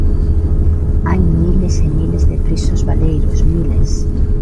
Hai miles e miles de pisos baleiros, ¡miles!